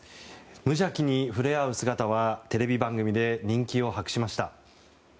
無邪気に触れ合う姿はテレビ番組で人気を博しました。